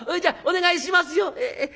じゃあお願いしますよ」。